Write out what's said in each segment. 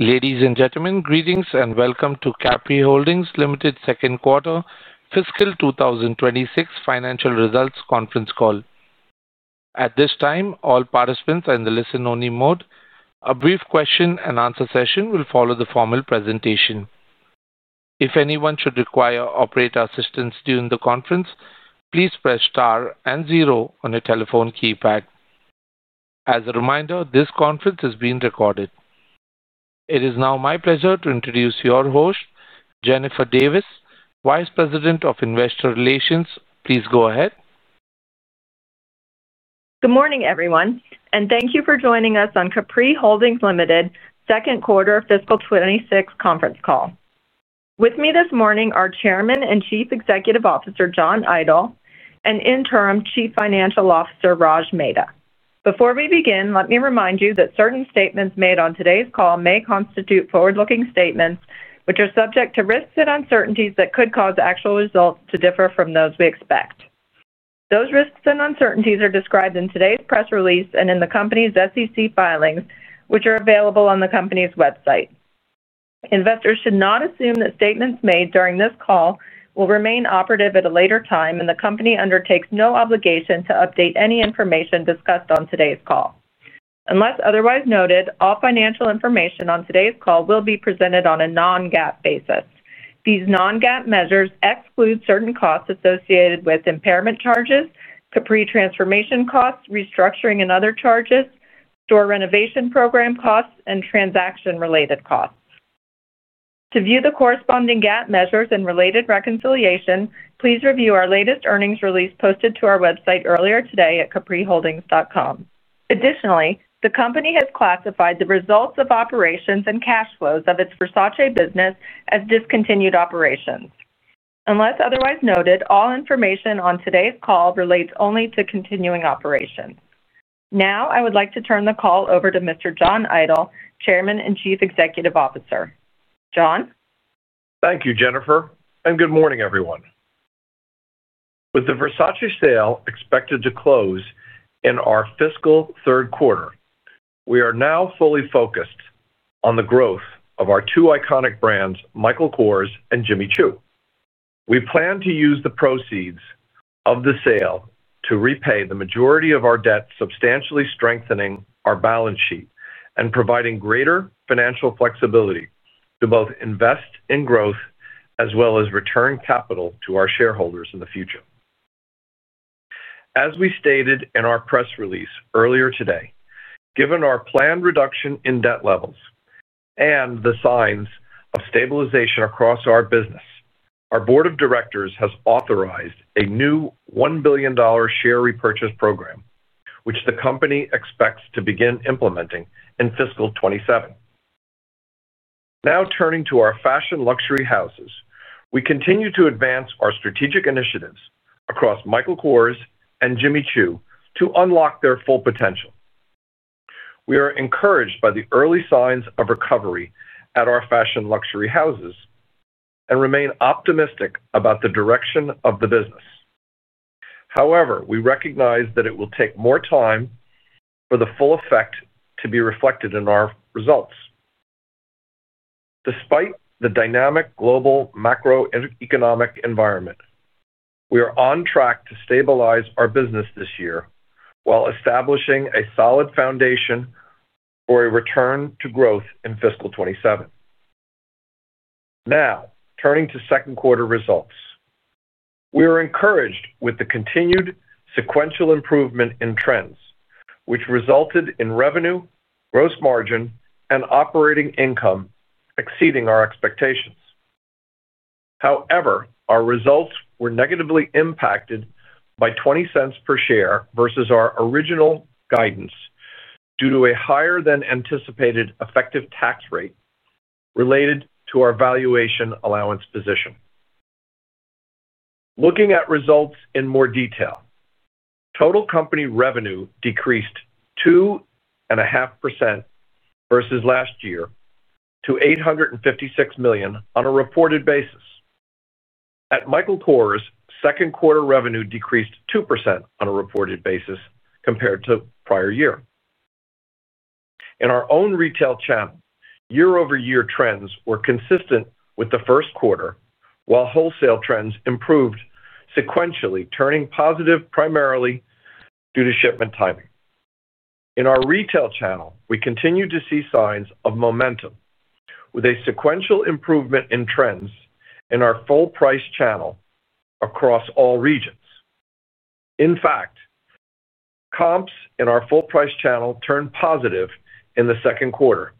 Ladies and gentlemen, greetings and welcome to Capri Holdings Limited second quarter fiscal 2026 financial results conference call. At this time, all participants are in the listen-only mode. A brief question-and-answer session will follow the formal presentation. If anyone should require operator assistance during the conference, please press star and zero on your telephone keypad. As a reminder, this conference is being recorded. It is now my pleasure to introduce your host, Jennifer Davis, Vice President of Investor Relations. Please go ahead. Good morning, everyone, and thank you for joining us on Capri Holdings Limited Second Quarter of Fiscal 2026 Conference Call. With me this morning are Chairman and Chief Executive Officer John Idol and Interim Chief Financial Officer Raj Mehta. Before we begin, let me remind you that certain statements made on today's call may constitute forward-looking statements, which are subject to risks and uncertainties that could cause actual results to differ from those we expect. Those risks and uncertainties are described in today's press release and in the company's SEC filings, which are available on the company's website. Investors should not assume that statements made during this call will remain operative at a later time, and the company undertakes no obligation to update any information discussed on today's call. Unless otherwise noted, all financial information on today's call will be presented on a Non-GAAP basis. These Non-GAAP measures exclude certain costs associated with impairment charges, Capri transformation costs, restructuring and other charges, store renovation program costs, and transaction-related costs. To view the corresponding GAAP measures and related reconciliation, please review our latest earnings release posted to our website earlier today at capriholdings.com. Additionally, the company has classified the results of operations and cash flows of its Versace business as discontinued operations. Unless otherwise noted, all information on today's call relates only to continuing operations. Now, I would like to turn the call over to Mr. John Idol, Chairman and Chief Executive Officer. John? Thank you, Jennifer, and good morning, everyone. With the Versace sale expected to close in our fiscal third quarter, we are now fully focused on the growth of our two iconic brands, Michael Kors and Jimmy Choo. We plan to use the proceeds of the sale to repay the majority of our debt, substantially strengthening our balance sheet and providing greater financial flexibility to both invest in growth as well as return capital to our shareholders in the future. As we stated in our press release earlier today, given our planned reduction in debt levels and the signs of stabilization across our business, our Board of Directors has authorized a new $1 billion share repurchase program, which the company expects to begin implementing in fiscal 2027. Now turning to our fashion luxury houses, we continue to advance our strategic initiatives across Michael Kors and Jimmy Choo to unlock their full potential. We are encouraged by the early signs of recovery at our fashion luxury houses and remain optimistic about the direction of the business. However, we recognize that it will take more time for the full effect to be reflected in our results. Despite the dynamic global macroeconomic environment. We are on track to stabilize our business this year while establishing a solid foundation for a return to growth in fiscal 2027. Now, turning to second quarter results. We are encouraged with the continued sequential improvement in trends, which resulted in revenue, gross margin, and operating income exceeding our expectations. However, our results were negatively impacted by $0.20 per share versus our original guidance due to a higher-than-anticipated effective tax rate related to our valuation allowance position. Looking at results in more detail, total company revenue decreased 2.5% versus last year to $856 million on a reported basis. At Michael Kors, second quarter revenue decreased 2% on a reported basis compared to prior year. In our own retail channel, year-over-year trends were consistent with the first quarter, while wholesale trends improved sequentially, turning positive primarily due to shipment timing. In our retail channel, we continue to see signs of momentum with a sequential improvement in trends in our full price channel across all regions. In fact. Comps in our full price channel turned positive in the second quarter,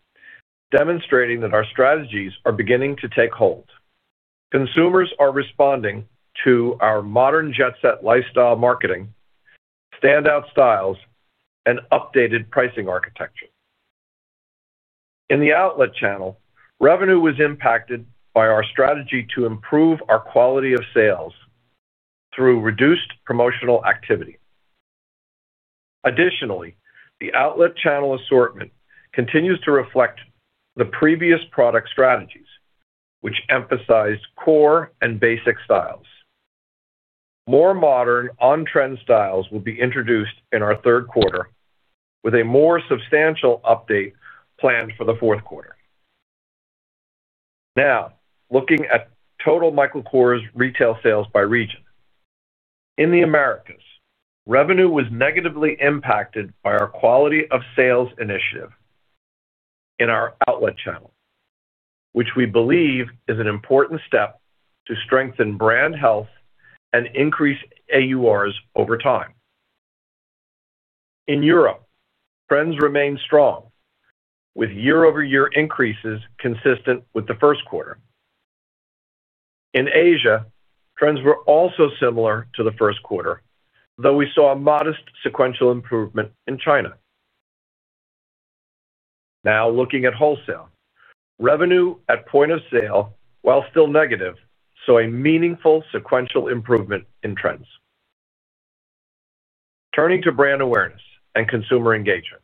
demonstrating that our strategies are beginning to take hold. Consumers are responding to our modern jet-set lifestyle marketing. Standout styles, and updated pricing architecture. In the outlet channel, revenue was impacted by our strategy to improve our quality of sales through reduced promotional activity. Additionally, the outlet channel assortment continues to reflect the previous product strategies, which emphasized core and basic styles. More modern, on-trend styles will be introduced in our third quarter, with a more substantial update planned for the fourth quarter. Now, looking at total Michael Kors retail sales by region. In the Americas, revenue was negatively impacted by our quality of sales initiative. In our outlet channel, which we believe is an important step to strengthen brand health and increase AURs over time. In Europe, trends remain strong with year-over-year increases consistent with the first quarter. In Asia, trends were also similar to the first quarter, though we saw modest sequential improvement in China. Now, looking at wholesale, revenue at point of sale, while still negative, saw a meaningful sequential improvement in trends. Turning to brand awareness and consumer engagement.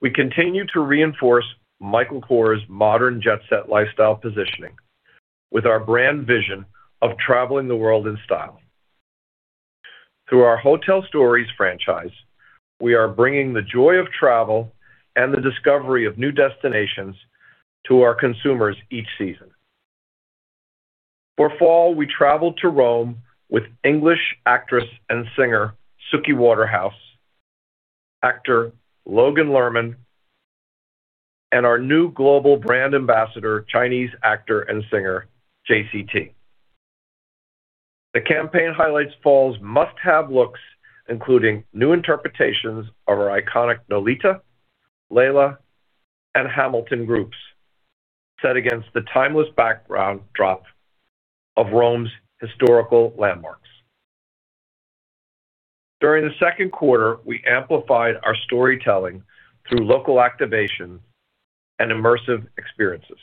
We continue to reinforce Michael Kors's modern jet-set lifestyle positioning with our brand vision of traveling the world in style. Through our Hotel Stories franchise, we are bringing the joy of travel and the discovery of new destinations to our consumers each season. For fall, we traveled to Rome with English actress and singer Suki Waterhouse, actor Logan Lerman, and our new global brand ambassador, Chinese actor and singer JCT. The campaign highlights fall's must-have looks, including new interpretations of our iconic Nolita, Leila, and Hamilton groups, set against the timeless background drop of Rome's historical landmarks. During the second quarter, we amplified our storytelling through local activation and immersive experiences.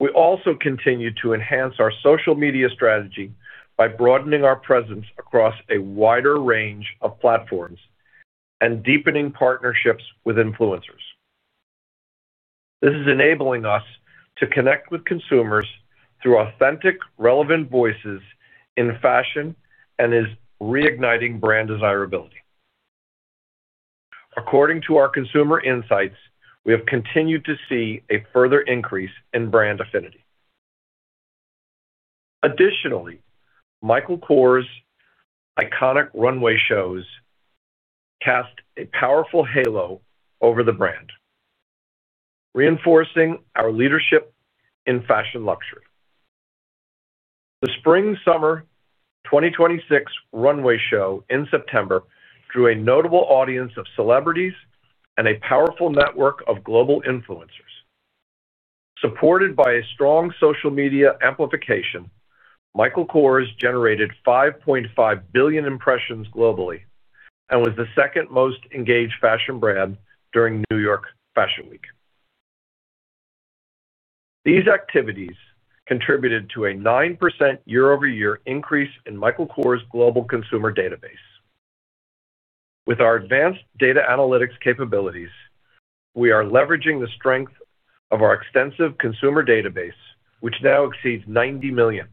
We also continue to enhance our social media strategy by broadening our presence across a wider range of platforms and deepening partnerships with influencers. This is enabling us to connect with consumers through authentic, relevant voices in fashion and is reigniting brand desirability. According to our consumer insights, we have continued to see a further increase in brand affinity. Additionally, Michael Kors's iconic runway shows cast a powerful halo over the brand, reinforcing our leadership in fashion luxury. The Spring/Summer 2026 runway show in September drew a notable audience of celebrities and a powerful network of global influencers. Supported by a strong social media amplification, Michael Kors generated 5.5 billion impressions globally and was the second most engaged fashion brand during New York Fashion Week. These activities contributed to a 9% year-over-year increase in Michael Kors's global consumer database. With our advanced data analytics capabilities, we are leveraging the strength of our extensive consumer database, which now exceeds 90 million,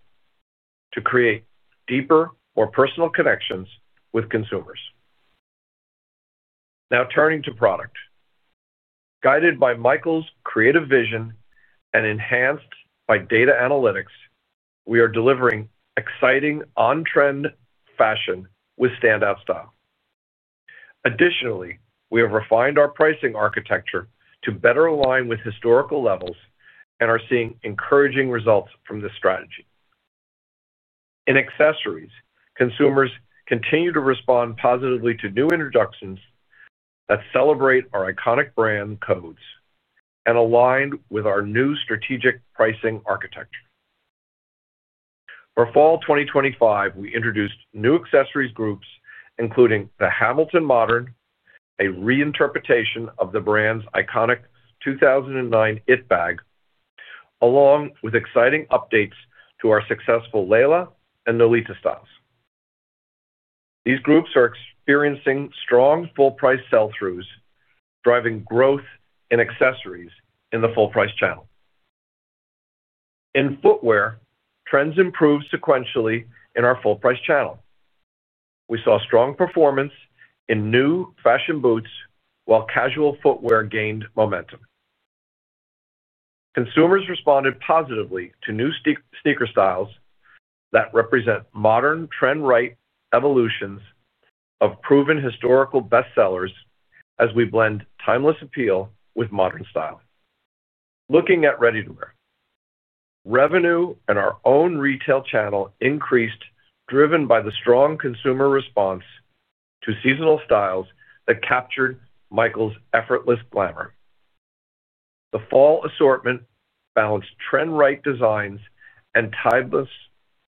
to create deeper or personal connections with consumers. Now, turning to product. Guided by Michael's creative vision and enhanced by data analytics, we are delivering exciting on-trend fashion with standout style. Additionally, we have refined our pricing architecture to better align with historical levels and are seeing encouraging results from this strategy. In accessories, consumers continue to respond positively to new introductions that celebrate our iconic brand codes and align with our new strategic pricing architecture. For fall 2025, we introduced new accessories groups, including the Hamilton Modern, a reinterpretation of the brand's iconic 2009 it bag, along with exciting updates to our successful Leila and Nolita styles. These groups are experiencing strong full-price sell-throughs, driving growth in accessories in the full-price channel. In footwear, trends improved sequentially in our full-price channel. We saw strong performance in new fashion boots, while casual footwear gained momentum. Consumers responded positively to new sneaker styles that represent modern trend-right evolutions of proven historical bestsellers as we blend timeless appeal with modern style. Looking at ready-to-wear. Revenue in our own retail channel increased, driven by the strong consumer response to seasonal styles that captured Michael's effortless glamour. The fall assortment found trend-right designs and timeless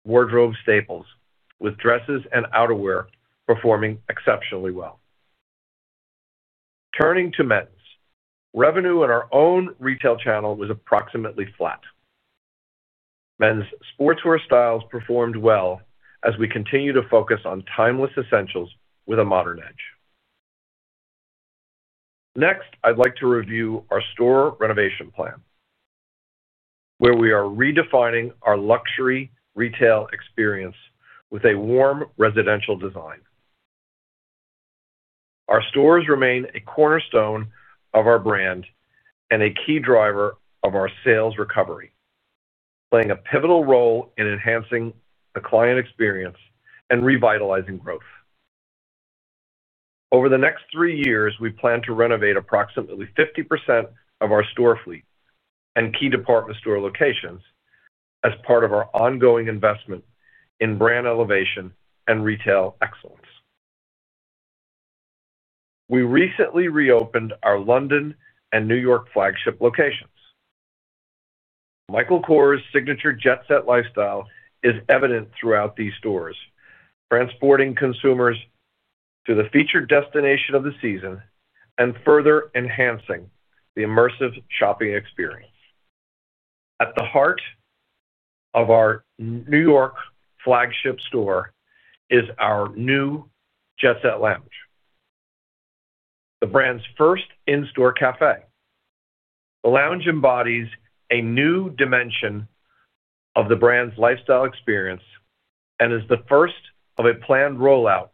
wardrobe staples, with dresses and outerwear performing exceptionally well. Turning to men's, revenue in our own retail channel was approximately flat. Men's sportswear styles performed well as we continue to focus on timeless essentials with a modern edge. Next, I'd like to review our store renovation plan. Where we are redefining our luxury retail experience with a warm residential design. Our stores remain a cornerstone of our brand and a key driver of our sales recovery. Playing a pivotal role in enhancing the client experience and revitalizing growth. Over the next three years, we plan to renovate approximately 50% of our store fleet and key department store locations as part of our ongoing investment in brand elevation and retail excellence. We recently reopened our London and New York flagship locations. Michael Kors' signature Jet-Set lifestyle is evident throughout these stores, transporting consumers to the featured destination of the season and further enhancing the immersive shopping experience. At the heart of our New York flagship store is our new Jet-Set Lounge. The brand's first in-store cafe. The lounge embodies a new dimension of the brand's lifestyle experience and is the first of a planned rollout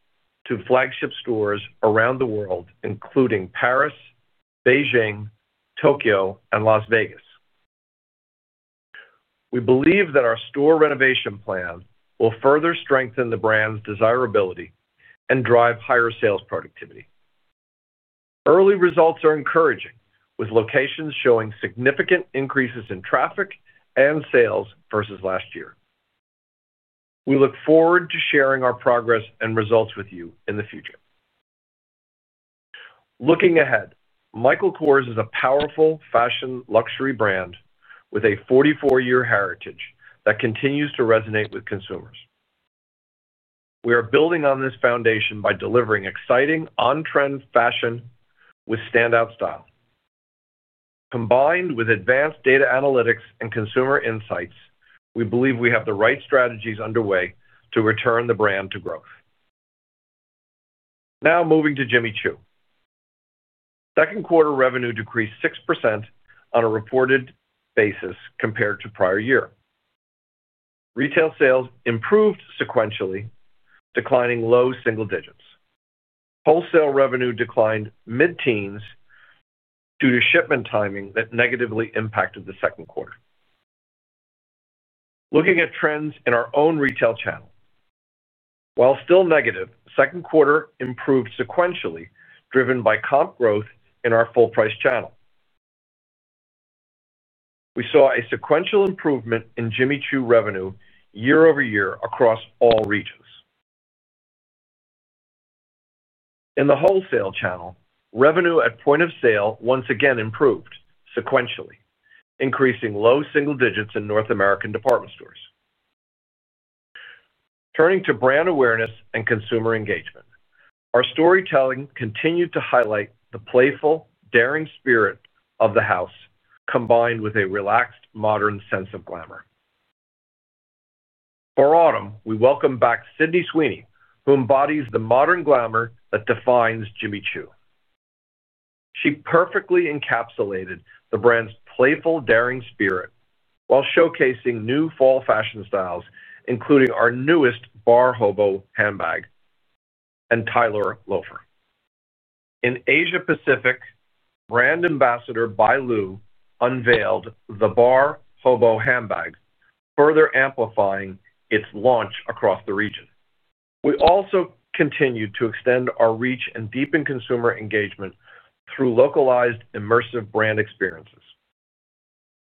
to flagship stores around the world, including Paris, Beijing, Tokyo, and Las Vegas. We believe that our store renovation plan will further strengthen the brand's desirability and drive higher sales productivity. Early results are encouraging, with locations showing significant increases in traffic and sales versus last year. We look forward to sharing our progress and results with you in the future. Looking ahead, Michael Kors is a powerful fashion luxury brand with a 44-year heritage that continues to resonate with consumers. We are building on this foundation by delivering exciting on-trend fashion with standout style. Combined with advanced data analytics and consumer insights, we believe we have the right strategies underway to return the brand to growth. Now, moving to Jimmy Choo. Second quarter revenue decreased 6% on a reported basis compared to prior year. Retail sales improved sequentially, declining low single digits. Wholesale revenue declined mid-teens. Due to shipment timing that negatively impacted the second quarter. Looking at trends in our own retail channel. While still negative, second quarter improved sequentially, driven by comp growth in our full-price channel. We saw a sequential improvement in Jimmy Choo revenue year-over-year across all regions. In the wholesale channel, revenue at point of sale once again improved sequentially, increasing low single digits in North American department stores. Turning to brand awareness and consumer engagement, our storytelling continued to highlight the playful, daring spirit of the house, combined with a relaxed, modern sense of glamour. For autumn, we welcome back Sydney Sweeney, who embodies the modern glamour that defines Jimmy Choo. She perfectly encapsulated the brand's playful, daring spirit while showcasing new fall fashion styles, including our newest Bar Hobo handbag and Tyler Loafer. In Asia-Pacific, brand ambassador Bai Lu unveiled the Bar Hobo handbag, further amplifying its launch across the region. We also continued to extend our reach and deepen consumer engagement through localized immersive brand experiences.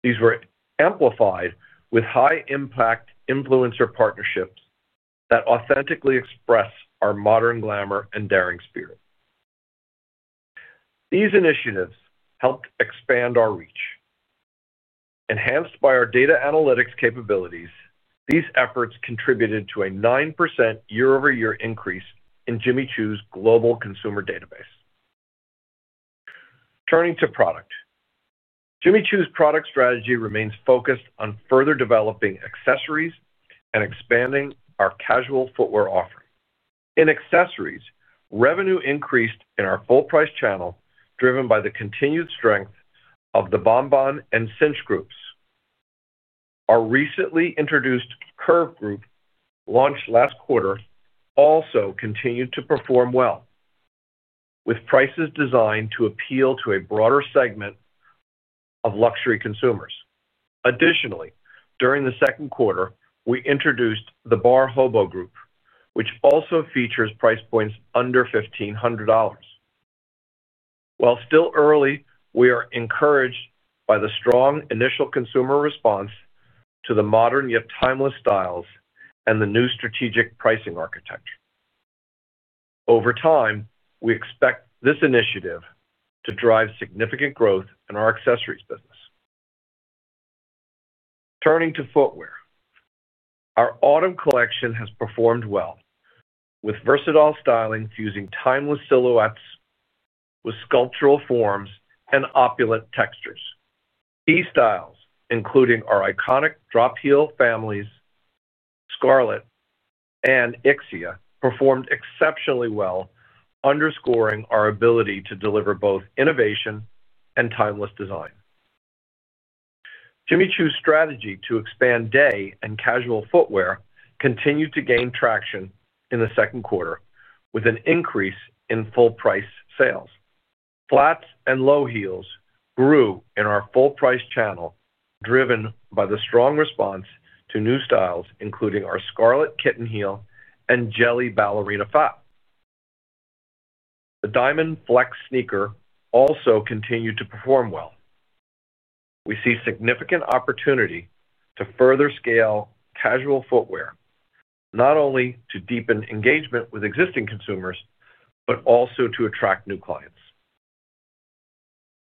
These were amplified with high-impact influencer partnerships that authentically express our modern glamour and daring spirit. These initiatives helped expand our reach. Enhanced by our data analytics capabilities, these efforts contributed to a 9% year-over-year increase in Jimmy Choo's global consumer database. Turning to product, Jimmy Choo's product strategy remains focused on further developing accessories and expanding our casual footwear offering. In accessories, revenue increased in our full-price channel, driven by the continued strength of the Bonbon and Cinch groups. Our recently introduced Curve group, launched last quarter, also continued to perform well with prices designed to appeal to a broader segment of luxury consumers. Additionally, during the second quarter, we introduced the Bar Hobo group, which also features price points under $1,500. While still early, we are encouraged by the strong initial consumer response to the modern yet timeless styles and the new strategic pricing architecture. Over time, we expect this initiative to drive significant growth in our accessories business. Turning to footwear, our autumn collection has performed well with versatile stylings using timeless silhouettes with sculptural forms and opulent textures. These styles, including our iconic Drop Heel Families, Scarlett, and Ixia, performed exceptionally well, underscoring our ability to deliver both innovation and timeless design. Jimmy Choo's strategy to expand day and casual footwear continued to gain traction in the second quarter with an increase in full-price sales. Flats and low heels grew in our full-price channel, driven by the strong response to new styles, including our Scarlet Kitten Heel and Jelly Ballerina Flat. The Diamond Flex sneaker also continued to perform well. We see significant opportunity to further scale casual footwear, not only to deepen engagement with existing consumers but also to attract new clients.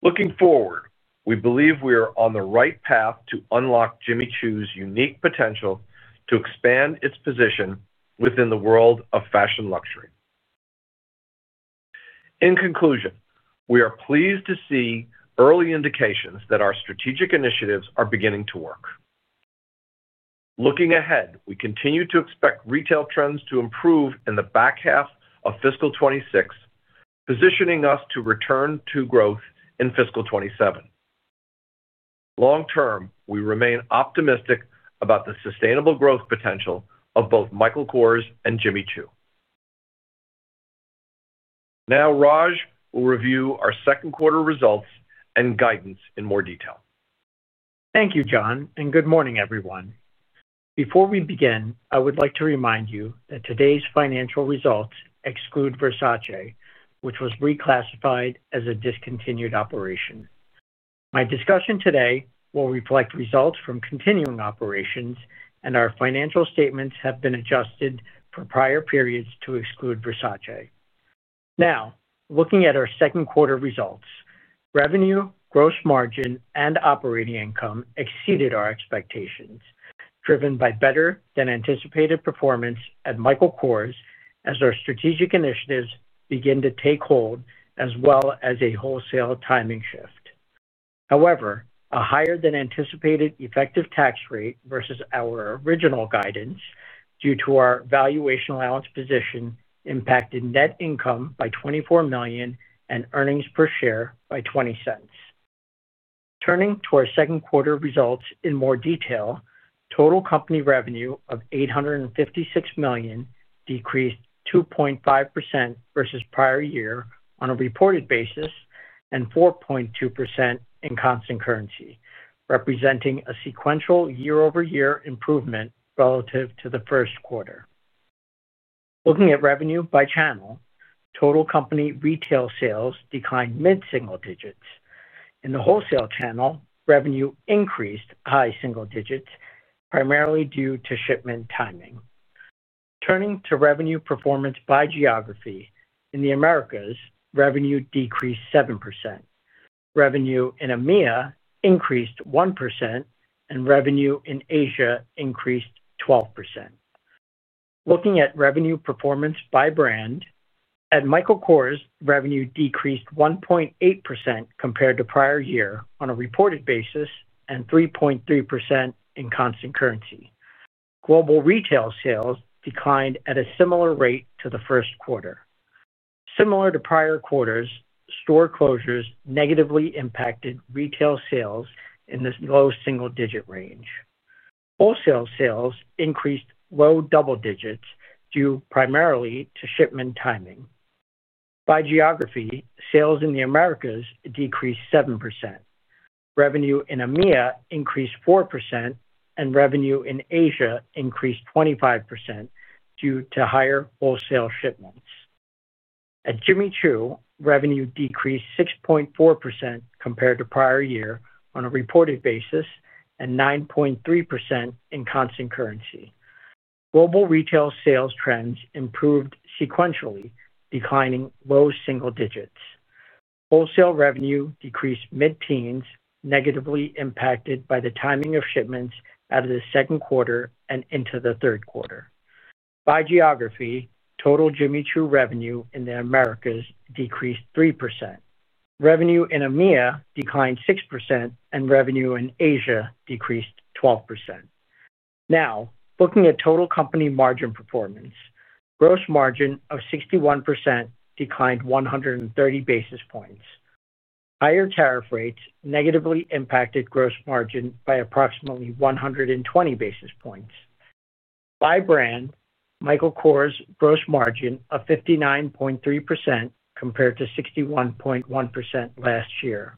Looking forward, we believe we are on the right path to unlock Jimmy Choo's unique potential to expand its position within the world of fashion luxury. In conclusion, we are pleased to see early indications that our strategic initiatives are beginning to work. Looking ahead, we continue to expect retail trends to improve in the back half of fiscal 2026, positioning us to return to growth in fiscal 2027. Long term, we remain optimistic about the sustainable growth potential of both Michael Kors and Jimmy Choo. Now, Raj will review our second quarter results and guidance in more detail. Thank you, John, and good morning, everyone. Before we begin, I would like to remind you that today's financial results exclude Versace, which was reclassified as a discontinued operation. My discussion today will reflect results from continuing operations, and our financial statements have been adjusted for prior periods to exclude Versace. Now, looking at our second quarter results, revenue, gross margin, and operating income exceeded our expectations, driven by better-than-anticipated performance at Michael Kors as our strategic initiatives begin to take hold, as well as a wholesale timing shift. However, a higher-than-anticipated effective tax rate versus our original guidance due to our valuation allowance position impacted net income by $24 million and earnings per share by $0.20. Turning to our second quarter results in more detail, total company revenue of $856 million decreased 2.5% versus prior year on a reported basis and 4.2% in constant currency, representing a sequential year-over-year improvement relative to the first quarter. Looking at revenue by channel, total company retail sales declined mid-single digits. In the wholesale channel, revenue increased high single digits, primarily due to shipment timing. Turning to revenue performance by geography, in the Americas, revenue decreased 7%. Revenue in EMEA increased 1%, and revenue in Asia increased 12%. Looking at revenue performance by brand, at Michael Kors, revenue decreased 1.8% compared to prior year on a reported basis and 3.3% in constant currency. Global retail sales declined at a similar rate to the first quarter. Similar to prior quarters, store closures negatively impacted retail sales in this low single-digit range. Wholesale sales increased low double digits due primarily to shipment timing. By geography, sales in the Americas decreased 7%. Revenue in EMEA increased 4%, and revenue in Asia increased 25% due to higher wholesale shipments. At Jimmy Choo, revenue decreased 6.4% compared to prior year on a reported basis and 9.3% in constant currency. Global retail sales trends improved sequentially, declining low single digits. Wholesale revenue decreased mid-teens, negatively impacted by the timing of shipments out of the second quarter and into the third quarter. By geography, total Jimmy Choo revenue in the Americas decreased 3%. Revenue in EMEA declined 6%, and revenue in Asia decreased 12%. Now, looking at total company margin performance, gross margin of 61% declined 130 basis points. Higher tariff rates negatively impacted gross margin by approximately 120 basis points. By brand, Michael Kors' gross margin of 59.3% compared to 61.1% last year.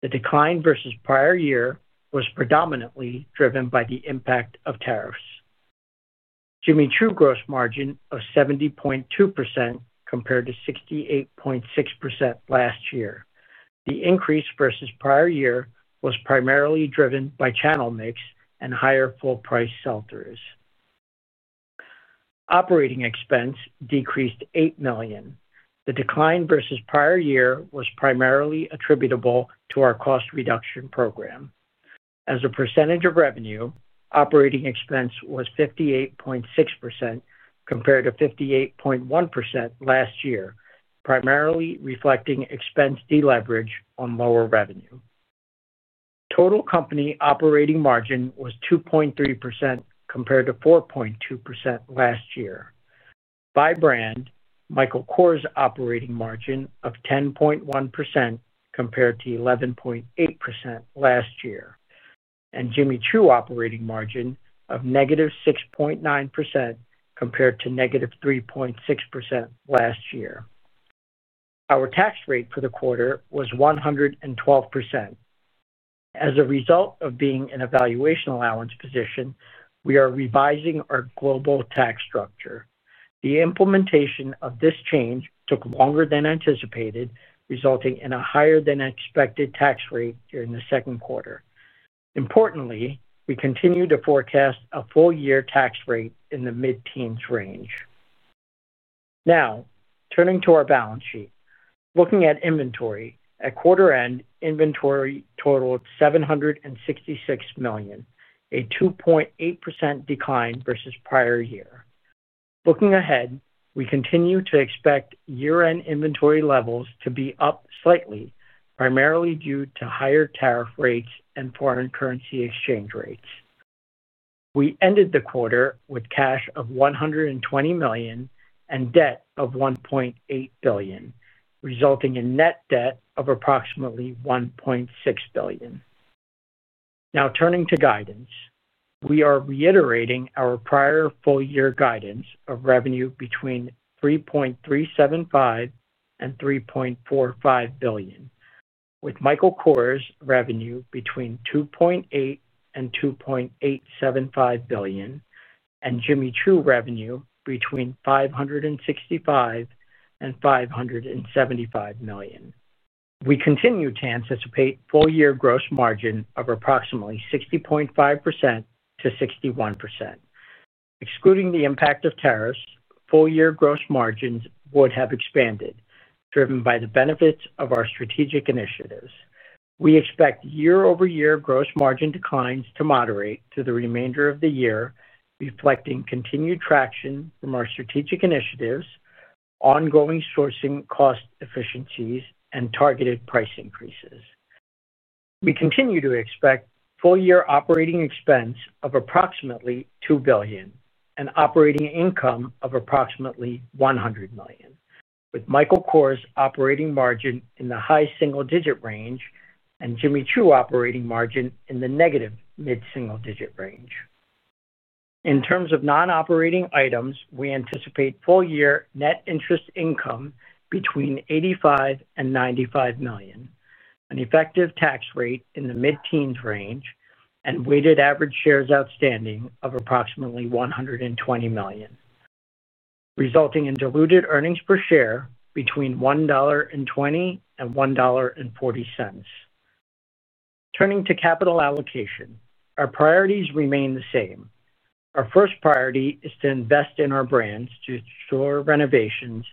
The decline versus prior year was predominantly driven by the impact of tariffs. Jimmy Choo gross margin of 70.2% compared to 68.6% last year. The increase versus prior year was primarily driven by channel mix and higher full-price sell-throughs. Operating expense decreased $8 million. The decline versus prior year was primarily attributable to our cost reduction program. As a percentage of revenue, operating expense was 58.6% compared to 58.1% last year, primarily reflecting expense deleverage on lower revenue. Total company operating margin was 2.3% compared to 4.2% last year. By brand, Michael Kors' operating margin of 10.1% compared to 11.8% last year, and Jimmy Choo operating margin of -6.9% compared to -3.6% last year. Our tax rate for the quarter was 112%. As a result of being in a valuation allowance position, we are revising our global tax structure. The implementation of this change took longer than anticipated, resulting in a higher-than-expected tax rate during the second quarter. Importantly, we continue to forecast a full-year tax rate in the mid-teens range. Now, turning to our balance sheet, looking at inventory, at quarter-end, inventory totaled $766 million, a 2.8% decline versus prior year. Looking ahead, we continue to expect year-end inventory levels to be up slightly, primarily due to higher tariff rates and foreign currency exchange rates. We ended the quarter with cash of $120 million and debt of $1.8 billion, resulting in net debt of approximately $1.6 billion. Now, turning to guidance, we are reiterating our prior full-year guidance of revenue between $3.375 billion-$3.45 billion, with Michael Kors' revenue between $2.8 billion-$2.875 billion, and Jimmy Choo revenue between $565 million-$575 million. We continue to anticipate full-year gross margin of approximately 60.5%-61%. Excluding the impact of tariffs, full-year gross margins would have expanded, driven by the benefits of our strategic initiatives. We expect year-over-year gross margin declines to moderate through the remainder of the year, reflecting continued traction from our strategic initiatives, ongoing sourcing cost efficiencies, and targeted price increases. We continue to expect full-year operating expense of approximately $2 billion and operating income of approximately $100 million, with Michael Kors' operating margin in the high single-digit range and Jimmy Choo operating margin in the negative mid-single-digit range. In terms of non-operating items, we anticipate full-year net interest income between $85-$95 million, an effective tax rate in the mid-teens range, and weighted average shares outstanding of approximately 120 million. Resulting in diluted earnings per share between $1.20-$1.40. Turning to capital allocation, our priorities remain the same. Our first priority is to invest in our brands to ensure renovations,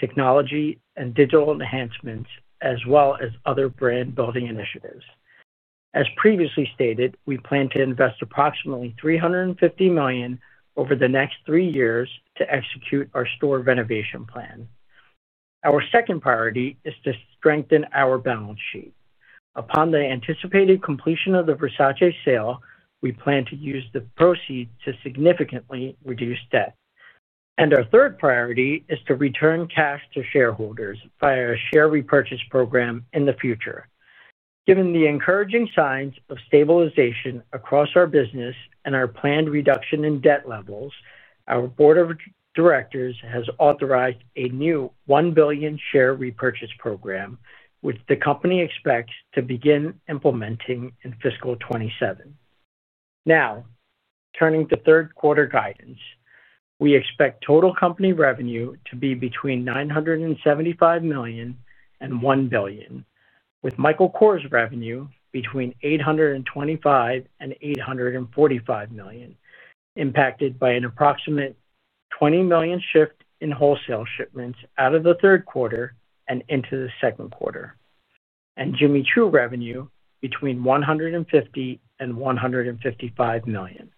technology, and digital enhancements, as well as other brand-building initiatives. As previously stated, we plan to invest approximately $350 million over the next three years to execute our store renovation plan. Our second priority is to strengthen our balance sheet. Upon the anticipated completion of the Versace sale, we plan to use the proceeds to significantly reduce debt. And our third priority is to return cash to shareholders via a share repurchase program in the future. Given the encouraging signs of stabilization across our business and our planned reduction in debt levels, our board of directors has authorized a new $1 billion share repurchase program, which the company expects to begin implementing in fiscal '27. Now, turning to third quarter guidance, we expect total company revenue to be between $975 million-$1 billion, with Michael Kors' revenue between $825 million-$845 million, impacted by an approximate $20 million shift in wholesale shipments out of the third quarter and into the second quarter. And Jimmy Choo revenue bet millionween $150 million-$155 million.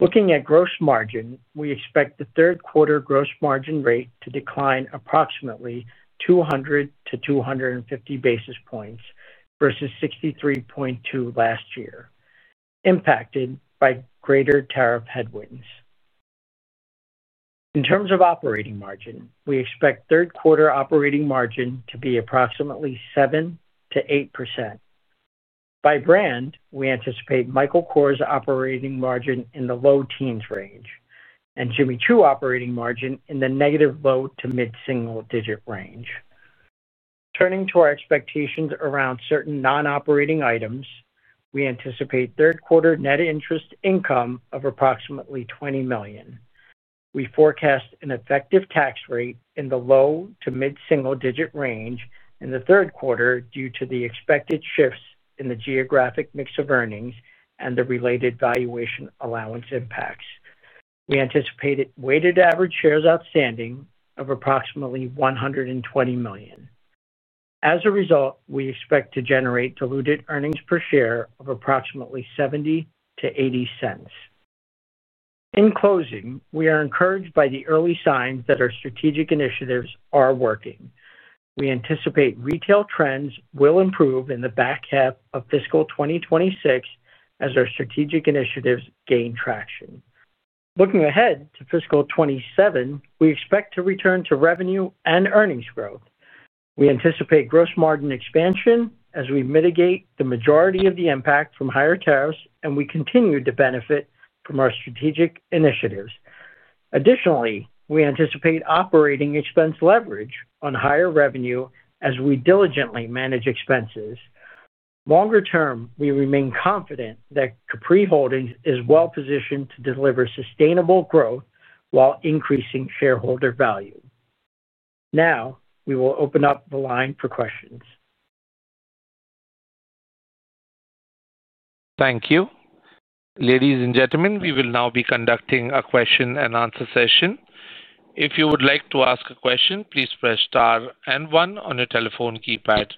Looking at gross margin, we expect the third quarter gross margin rate to decline approximately 200-250 basis points versus 63.2% last year, impacted by greater tariff headwinds. In terms of operating margin, we expect third quarter operating margin to be approximately 7%-8%. By brand, we anticipate Michael Kors' operating margin in the low teens range and Jimmy Choo operating margin in the negative low to mid-single digit range. Turning to our expectations around certain non-operating items, we anticipate third quarter net interest income of approximately $20 million. We forecast an effective tax rate in the low to mid-single digit range in the third quarter due to the expected shifts in the geographic mix of earnings and the related valuation allowance impacts. We anticipate weighted average shares outstanding of approximately 120 million. As a result, we expect to generate diluted earnings per share of approximately $0.70-$0.80. In closing, we are encouraged by the early signs that our strategic initiatives are working. We anticipate retail trends will improve in the back half of fiscal 2026 as our strategic initiatives gain traction. Looking ahead to fiscal 2027, we expect to return to revenue and earnings growth. We anticipate gross margin expansion as we mitigate the majority of the impact from higher tariffs and we continue to benefit from our strategic initiatives. Additionally, we anticipate operating expense leverage on higher revenue as we diligently manage expenses. Longer term, we remain confident that Capri Holdings is well positioned to deliver sustainable growth while increasing shareholder value. Now, we will open up the line for questions. Thank you. Ladies and gentlemen, we will now be conducting a question-and-answer session. If you would like to ask a question, please press star and one on your telephone keypad.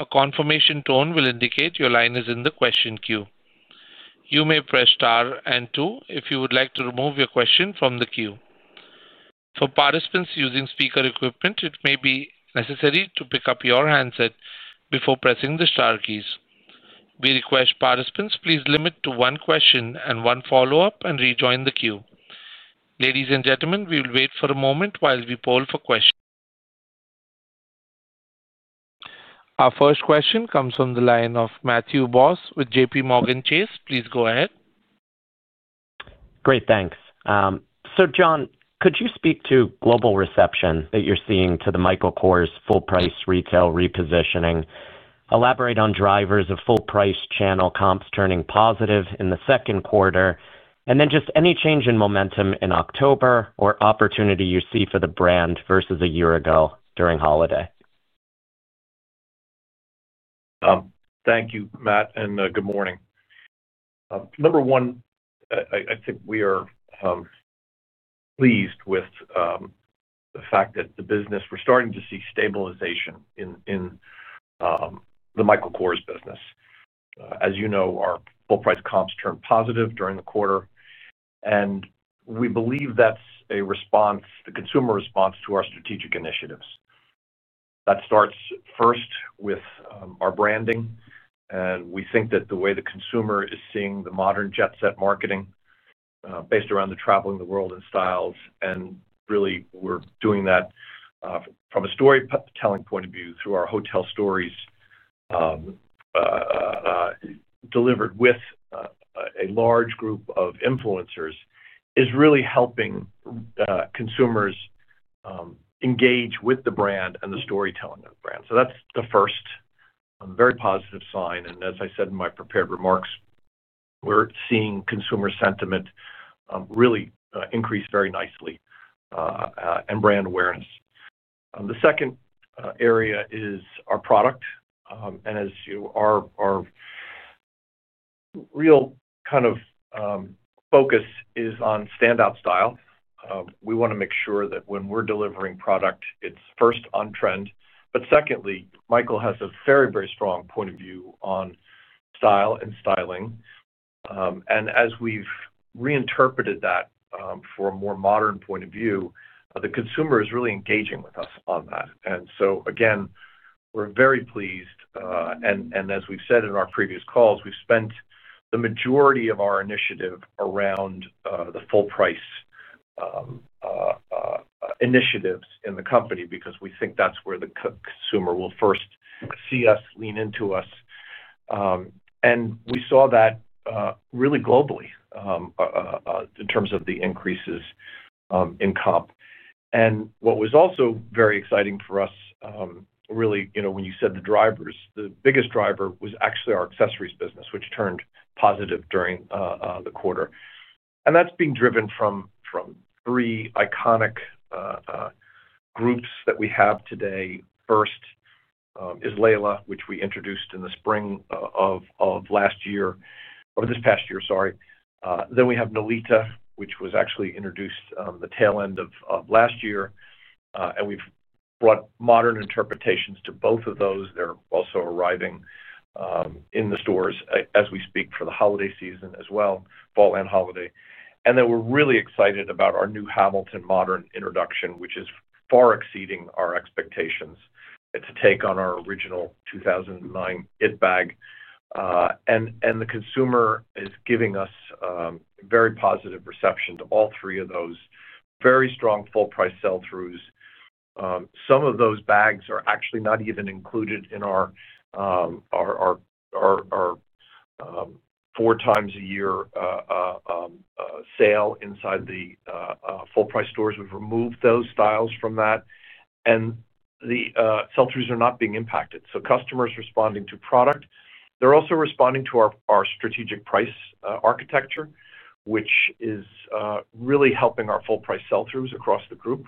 A confirmation tone will indicate your line is in the question queue. You may press star and two if you would like to remove your question from the queue. For participants using speaker equipment, it may be necessary to pick up your handset before pressing the star keys. We request participants please limit to one question and one follow-up and rejoin the queue. Ladies and gentlemen, we will wait for a moment while we poll for questions. Our first question comes from the line of Matthew Boss with JPMorgan Chase. Please go ahead. Great, thanks. So, John, could you speak to global reception that you're seeing to the Michael Kors full-price retail repositioning, elaborate on drivers of full-price channel comps turning positive in the second quarter, and then just any change in momentum in October or opportunity you see for the brand versus a year ago during holiday? Thank you, Matt, and good morning. Number one, I think we are pleased with the fact that the business we're starting to see stabilization in the Michael Kors business. As you know, our full-price comps turned positive during the quarter, and we believe that's a response, the consumer response to our strategic initiatives. That starts first with our branding, and we think that the way the consumer is seeing the modern jet set marketing, based around traveling the world and styles, and really we're doing that from a storytelling point of view through our Hotel Stories delivered with a large group of influencers, is really helping consumers engage with the brand and the storytelling of the brand. So that's the first very positive sign, and as I said in my prepared remarks, we're seeing consumer sentiment really increase very nicely and brand awareness. The second area is our product, and as you are, our real kind of focus is on standout style. We want to make sure that when we're delivering product, it's first on trend, but secondly, Michael has a very, very strong point of view on style and styling, and as we've reinterpreted that for a more modern point of view, the consumer is really engaging with us on that. And so again, we're very pleased, and as we've said in our previous calls, we've spent the majority of our initiative around the full-price initiatives in the company because we think that's where the consumer will first see us, lean into us, and we saw that really globally in terms of the increases in comps. And what was also very exciting for us, really, when you said the drivers, the biggest driver was actually our accessories business, which turned positive during the quarter, and that's being driven from three iconic groups that we have today. First is Leila, which we introduced in the spring of last year or this past year, sorry. Then we have Nolita, which was actually introduced the tail end of last year, and we've brought modern interpretations to both of those. They're also arriving in the stores as we speak for the holiday season as well, fall and holiday, and then we're really excited about our new Hamilton Modern introduction, which is far exceeding our expectations. It's a take on our original 2009 it bag, and the consumer is giving us very positive reception to all three of those, very strong full-price sell-throughs. Some of those bags are actually not even included in our four times a year sale inside the full-price stores. We've removed those styles from that, and the sell-throughs are not being impacted. So customers responding to product, they're also responding to our strategic price architecture, which is really helping our full-price sell-throughs across the group,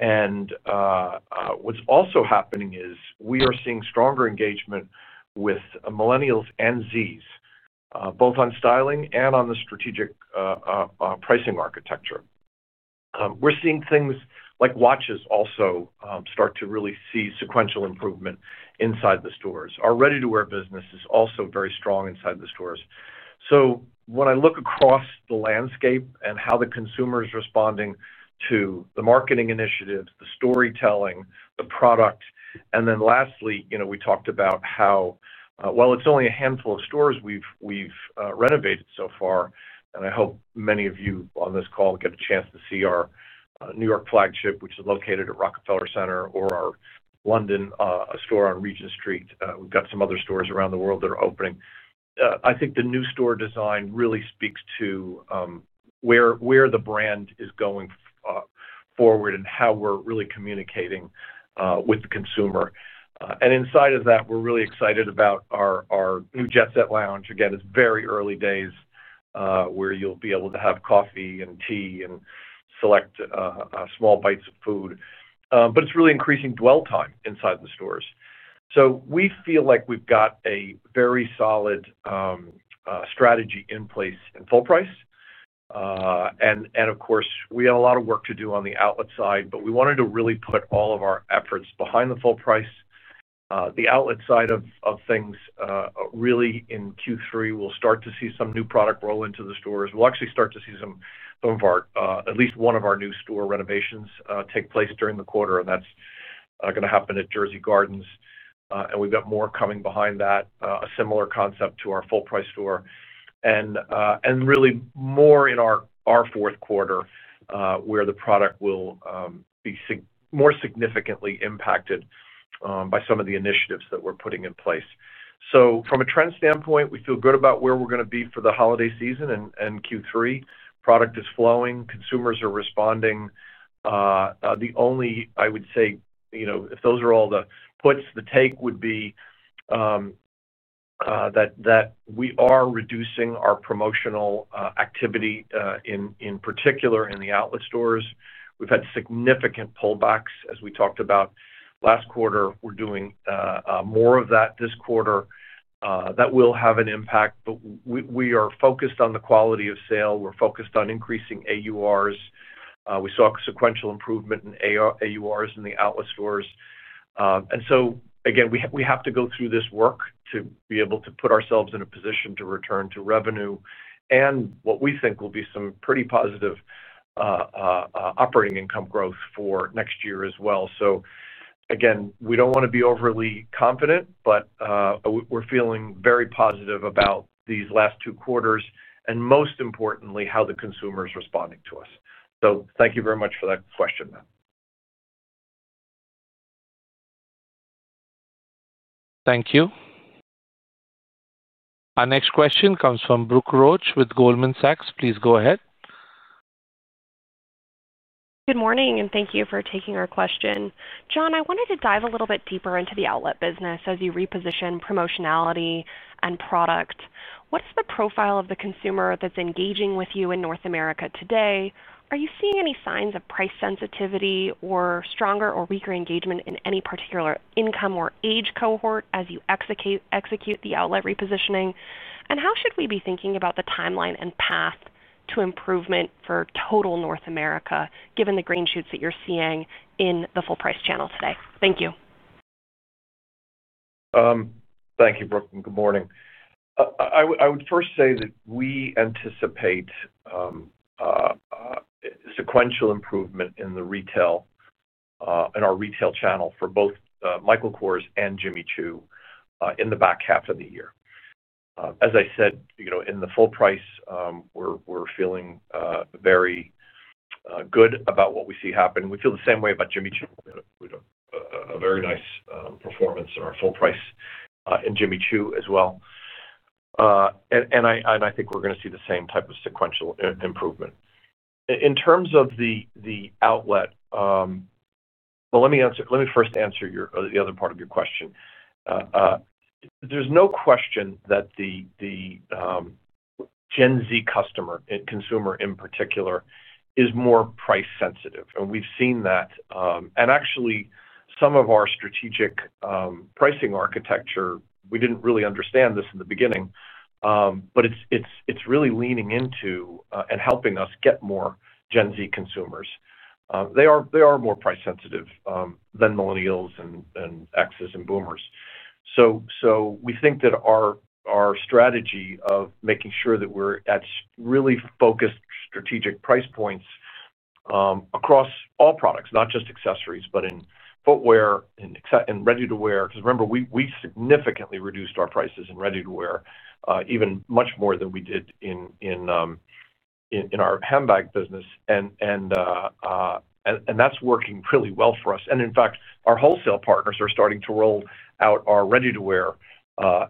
and what's also happening is we are seeing stronger engagement with millennials and Zs, both on styling and on the strategic pricing architecture. We're seeing things like watches also start to really see sequential improvement inside the stores. Our ready-to-wear business is also very strong inside the stores. So when I look across the landscape and how the consumer is responding to the marketing initiatives, the storytelling, the product, and then lastly, we talked about how well, it's only a handful of stores we've renovated so far. And I hope many of you on this call get a chance to see our New York flagship, which is located at Rockefeller Center or our London store on Regent Street. We've got some other stores around the world that are opening. I think the new store design really speaks to where the brand is going forward and how we're really communicating with the consumer. And inside of that, we're really excited about our new Jet-Set Lounge. Again, it's very early days where you'll be able to have coffee and tea and select small bites of food. But it's really increasing dwell time inside the stores. So we feel like we've got a very solid strategy in place in full price. And of course, we have a lot of work to do on the outlet side, but we wanted to really put all of our efforts behind the full price. The outlet side of things, really in Q3, we'll start to see some new product roll into the stores. We'll actually start to see some of our, at least one of our new store renovations take place during the quarter, and that's going to happen at Jersey Gardens. And we've got more coming behind that, a similar concept to our full-price store. And really more in our fourth quarter, where the product will be more significantly impacted by some of the initiatives that we're putting in place. So from a trend standpoint, we feel good about where we're going to be for the holiday season and Q3. Product is flowing. Consumers are responding. The only, I would say, if those are all the puts, the take would be that we are reducing our promotional activity in particular in the outlet stores. We've had significant pullbacks, as we talked about last quarter. We're doing more of that this quarter. That will have an impact, but we are focused on the quality of sale. We're focused on increasing AURs. We saw sequential improvement in AURs in the outlet stores. And so again, we have to go through this work to be able to put ourselves in a position to return to revenue and what we think will be some pretty positive operating income growth for next year as well. So again, we don't want to be overly confident, but we're feeling very positive about these last two quarters and most importantly, how the consumer is responding to us. So thank you very much for that question, Matt. Thank you. Our next question comes from Brooke Roach with Goldman Sachs. Please go ahead. Good morning, and thank you for taking our question. John, I wanted to dive a little bit deeper into the outlet business as you reposition promotionality and product. What's the profile of the consumer that's engaging with you in North America today? Are you seeing any signs of price sensitivity or stronger or weaker engagement in any particular income or age cohort as you execute the outlet repositioning? And how should we be thinking about the timeline and path to improvement for total North America, given the green shoots that you're seeing in the full-price channel today? Thank you. Thank you, Brooke. Good morning. I would first say that we anticipate sequential improvement in the retail in our retail channel for both Michael Kors and Jimmy Choo in the back half of the year. As I said, in the full price, we're feeling very good about what we see happen. We feel the same way about Jimmy Choo. We had a very nice performance in our full price in Jimmy Choo as well. I think we're going to see the same type of sequential improvement in terms of the outlet. Well, let me first answer the other part of your question. There's no question that the Gen Z consumer in particular is more price sensitive. We've seen that. Actually, some of our strategic pricing architecture, we didn't really understand this in the beginning, but it's really leaning into and helping us get more Gen Z consumers. They are more price sensitive than millennials and Xs and boomers. We think that our strategy of making sure that we're at really focused strategic price points across all products, not just accessories, but in footwear and ready-to-wear. Remember, we significantly reduced our prices in ready-to-wear even much more than we did in our handbag business. That's working really well for us. In fact, our wholesale partners are starting to roll out our ready-to-wear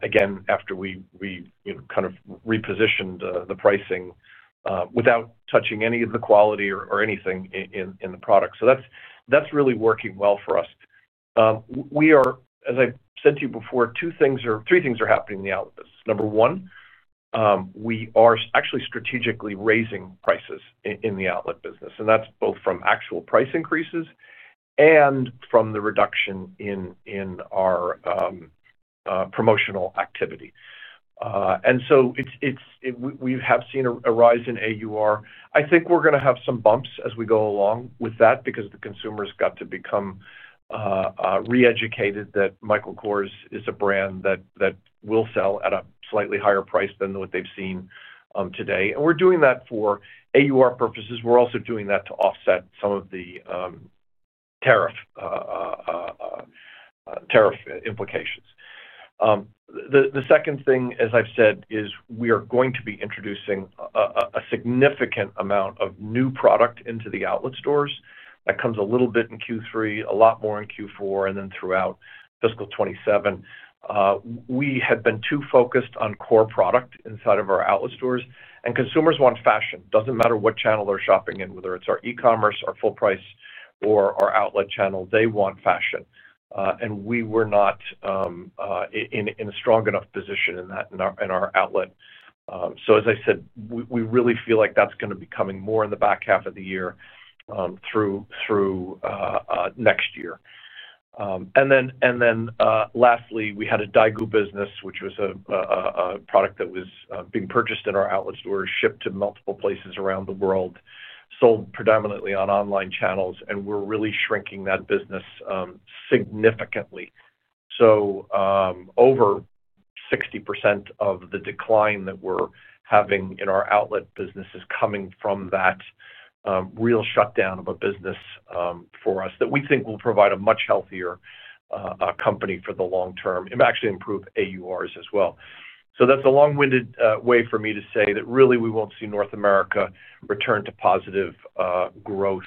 again after we kind of repositioned the pricing without touching any of the quality or anything in the product. That's really working well for us. We are, as I said to you before, three things are happening in the outlet business. Number one, we are actually strategically raising prices in the outlet business. That's both from actual price increases and from the reduction in our promotional activity. We have seen a rise in AUR. I think we're going to have some bumps as we go along with that because the consumer has got to become reeducated that Michael Kors is a brand that will sell at a slightly higher price than what they've seen today. We're doing that for AUR purposes. We're also doing that to offset some of the tariff implications. The second thing, as I've said, is we are going to be introducing a significant amount of new product into the outlet stores. That comes a little bit in Q3, a lot more in Q4, and then throughout fiscal 2027. We had been too focused on core product inside of our outlet stores. Consumers want fashion. It doesn't matter what channel they're shopping in, whether it's our e-commerce, our full price, or our outlet channel. They want fashion. We were not in a strong enough position in our outlet. So as I said, we really feel like that's going to be coming more in the back half of the year through next year. And then lastly, we had a daigou business, which was a product that was being purchased in our outlet store, shipped to multiple places around the world. Sold predominantly on online channels, and we're really shrinking that business significantly. So over 60% of the decline that we're having in our outlet business is coming from that real shutdown of a business for us that we think will provide a much healthier company for the long term and actually improve AURs as well. So that's a long-winded way for me to say that really we won't see North America return to positive growth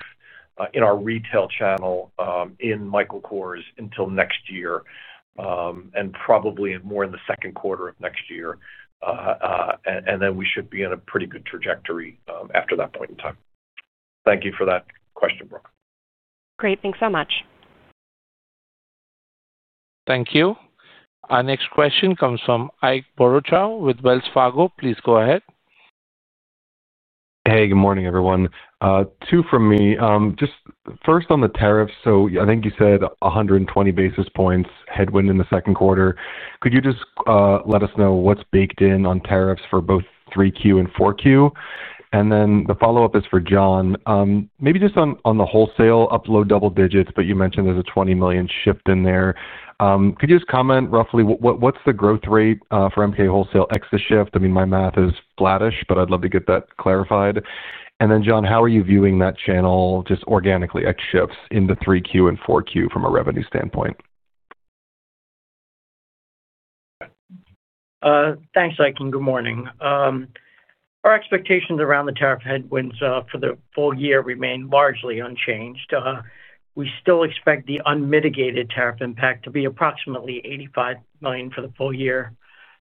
in our retail channel in Michael Kors until next year. And probably more in the second quarter of next year. And then we should be in a pretty good trajectory after that point in time. Thank you for that question, Brooke. Great. Thanks so much. Thank you. Our next question comes from Ike Boruchow with Wells Fargo. Please go ahead. Hey, good morning, everyone. Two from me. Just first on the tariffs. So I think you said 120 basis points headwind in the second quarter. Could you just let us know what's baked in on tariffs for both 3Q and 4Q? And then the follow-up is for John. Maybe just on the wholesale upload double digits, but you mentioned there's a $20 million shift in there. Could you just comment roughly what's the growth rate for MK Wholesale ex the shift? I mean, my math is flattish, but I'd love to get that clarified. And then John, how are you viewing that channel just organically ex shifts into 3Q and 4Q from a revenue standpoint? Thanks, Ike. Good morning. Our expectations around the tariff headwinds for the full year remain largely unchanged. We still expect the unmitigated tariff impact to be approximately $85 million for the full year.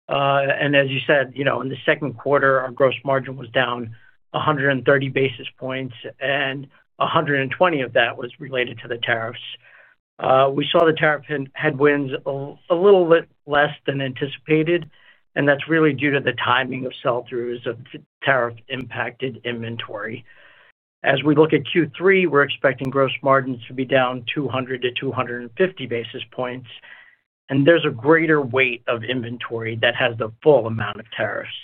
And as you said, in the second quarter, our gross margin was down 130 basis points, and 120 of that was related to the tariffs. We saw the tariff headwinds a little bit less than anticipated, and that's really due to the timing of sell-throughs of tariff-impacted inventory. As we look at Q3, we're expecting gross margins to be down 200-250 basis points. And there's a greater weight of inventory that has the full amount of tariffs.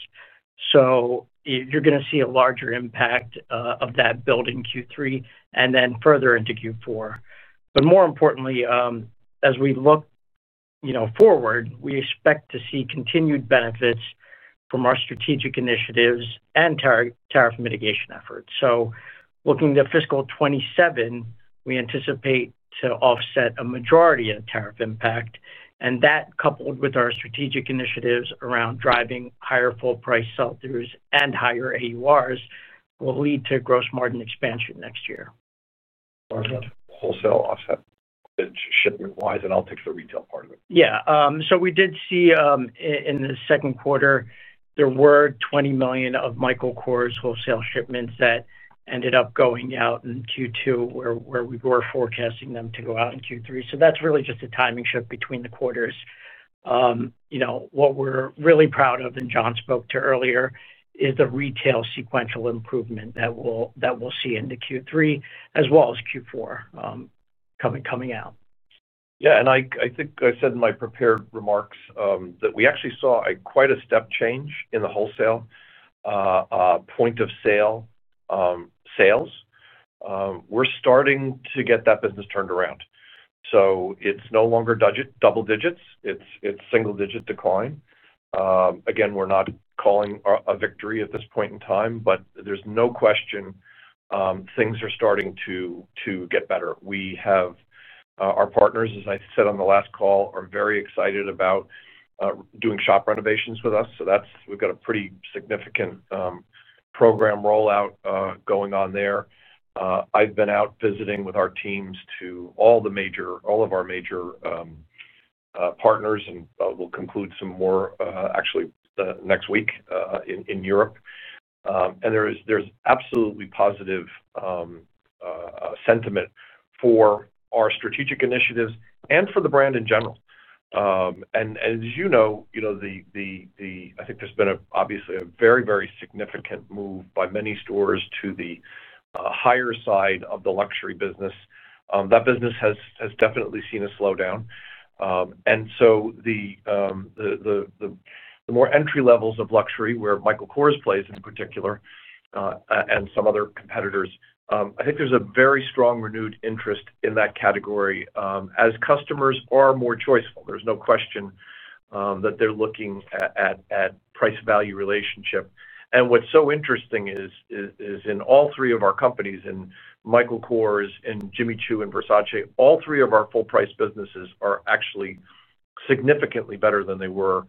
So you're going to see a larger impact of that building Q3 and then further into Q4. But more importantly, as we look forward, we expect to see continued benefits from our strategic initiatives and tariff mitigation efforts. So looking to fiscal 2027, we anticipate to offset a majority of the tariff impact. And that, coupled with our strategic initiatives around driving higher full-price sell-throughs and higher AURs, will lead to gross margin expansion next year. Wholesale offset shipment-wise, and I'll take the retail part of it. Yeah. So we did see in the second quarter, there were 20 million of Michael Kors wholesale shipments that ended up going out in Q2, where we were forecasting them to go out in Q3. So that's really just a timing shift between the quarters. What we're really proud of, and John spoke to earlier, is the retail sequential improvement that we'll see into Q3 as well as Q4 coming out. Yeah, and I think I said in my prepared remarks that we actually saw quite a step change in the wholesale point of sale sales. We're starting to get that business turned around. So it's no longer double digits. It's single-digit decline. Again, we're not calling a victory at this point in time, but there's no question things are starting to get better. Our partners, as I said on the last call, are very excited about doing shop renovations with us. So we've got a pretty significant program rollout going on there. I've been out visiting with our teams to all of our major partners, and we'll conclude some more actually next week in Europe. And there's absolutely positive sentiment for our strategic initiatives and for the brand in general. And as you know, I think there's been obviously a very, very significant move by many stores to the higher side of the luxury business. That business has definitely seen a slowdown. And so the more entry levels of luxury, where Michael Kors plays in particular and some other competitors, I think there's a very strong renewed interest in that category as customers are more choiceful. There's no question that they're looking at price-value relationship. And what's so interesting is in all three of our companies, in Michael Kors and Jimmy Choo and Versace, all three of our full-price businesses are actually significantly better than they were a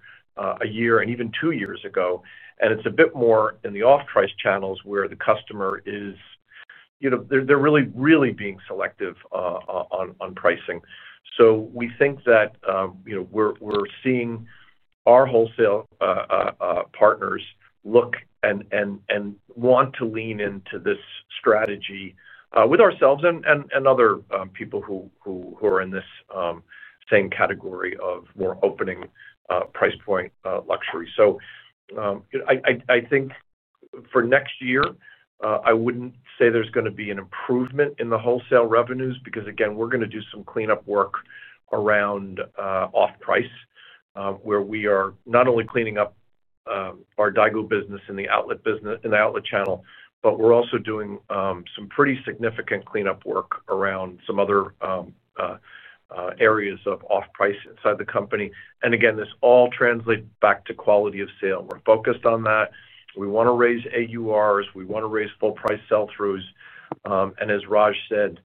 year and even two years ago. And it's a bit more in the off-price channels where the customer is. They're really, really being selective on pricing. So we think that we're seeing our wholesale partners look and want to lean into this strategy with ourselves and other people who are in this same category of more opening price point luxury. So I think for next year, I wouldn't say there's going to be an improvement in the wholesale revenues because, again, we're going to do some cleanup work around off-price, where we are not only cleaning up our outlet business in the outlet channel, but we're also doing some pretty significant cleanup work around some other areas of off-price inside the company. And again, this all translates back to quality of sale. We're focused on that. We want to raise AURs. We want to raise full-price sell-throughs. And as Raj said,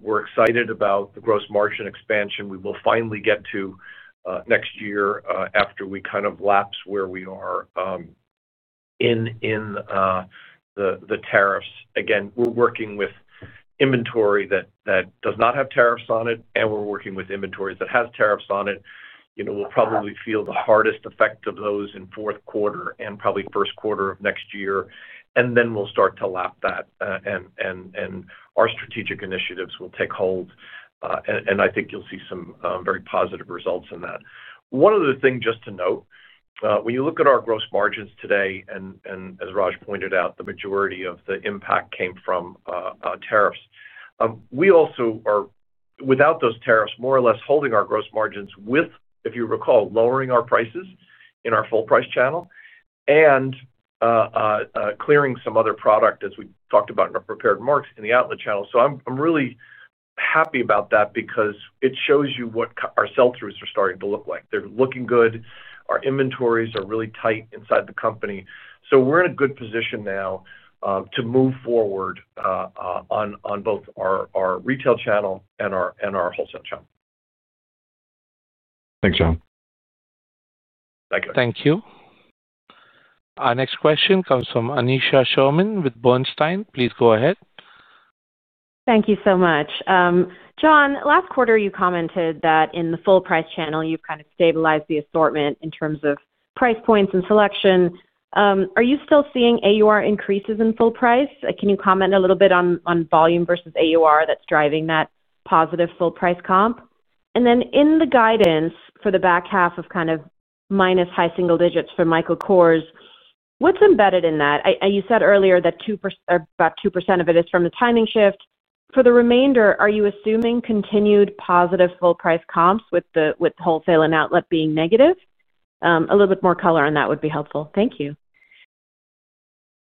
we're excited about the gross margin expansion we will finally get to next year after we kind of lapse where we are in the tariffs. Again, we're working with. Inventory that does not have tariffs on it, and we're working with inventories that have tariffs on it. We'll probably feel the hardest effect of those in fourth quarter and probably first quarter of next year. And then we'll start to lap that. And our strategic initiatives will take hold. And I think you'll see some very positive results in that. One other thing just to note, when you look at our gross margins today, and as Raj pointed out, the majority of the impact came from tariffs. We also are, without those tariffs, more or less holding our gross margins with, if you recall, lowering our prices in our full-price channel and clearing some other product, as we talked about in our prepared remarks, in the outlet channel. So I'm really happy about that because it shows you what our sell-throughs are starting to look like. They're looking good. Our inventories are really tight inside the company. So we're in a good position now to move forward on both our retail channel and our wholesale channel. Thanks, John. Thank you. Our next question comes from Aneesha Sherman with Bernstein. Please go ahead. Thank you so much. John, last quarter, you commented that in the full-price channel, you've kind of stabilized the assortment in terms of price points and selection. Are you still seeing AUR increases in full price? Can you comment a little bit on volume versus AUR that's driving that positive full-price comp? And then in the guidance for the back half of kind of minus high single digits for Michael Kors, what's embedded in that? You said earlier that about 2% of it is from the timing shift. For the remainder, are you assuming continued positive full-price comps with wholesale and outlet being negative? A little bit more color on that would be helpful. Thank you.